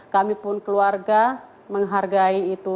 kami pun keluarga menghargai itu